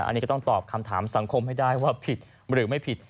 อันนี้ก็ต้องตอบคำถามสังคมให้ได้ว่าผิดหรือไม่ผิด